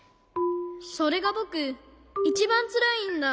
それがぼくいちばんつらいんだ。